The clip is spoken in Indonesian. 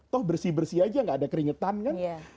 toh bersih bersih aja nggak ada keringetan kan